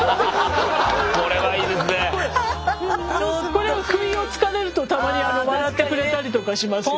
これは不意を突かれるとたまに笑ってくれたりとかしますけど。